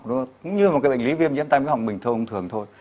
cũng như là bệnh lý viêm nhiễm tai mũi họng bình thường thôi